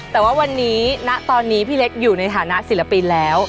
แต่ว่าวันนี้ณตอนนี้พี่เล็กอยู่ในฐานะศิลปินแล้ว